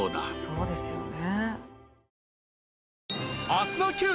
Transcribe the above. そうですよね